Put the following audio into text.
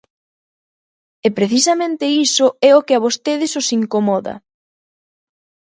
E precisamente iso é o que a vostedes os incomoda.